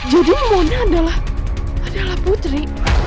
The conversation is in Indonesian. jadi mona adalah adalah putri